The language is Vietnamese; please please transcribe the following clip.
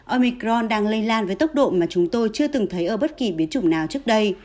omicron đang lây lan với tốc độ mà chúng tôi chưa từng thấy ở bất kỳ biến chủng nào trước đây